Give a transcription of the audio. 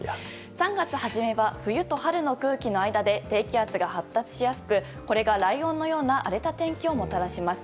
３月初めは冬と春の空気の間で低気圧が発達しやすくこれがライオンのような荒れた天気をもたらします。